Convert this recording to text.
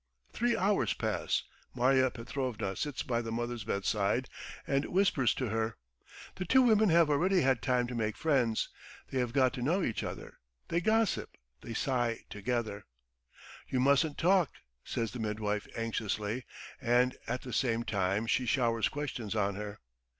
Three hours pass. Marya Petrovna sits by the mother's bedside and whispers to her. The two women have already had time to make friends, they have got to know each other, they gossip, they sigh together. ... "You mustn't talk," says the midwife anxiously, and at the same time she showers questions on her.